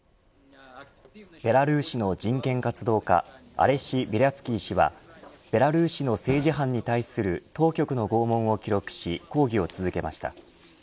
ベラルーシの人権活動家アレシ・ベリャツキー氏はベラルーシの政治犯に対する当局の拷問を記録し抗議を続けました。